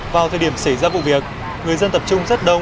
vào thời điểm xảy ra vụ việc người dân tập trung rất đông